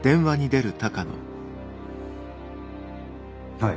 はい。